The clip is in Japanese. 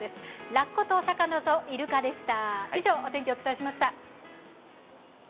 ラッコとお魚と、イルカでした。